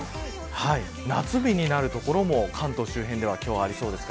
夏日になる所も関東周辺ではありそうです。